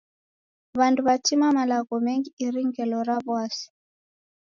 W'andu w'atima malagho mengi iri ngelo ra w'asi.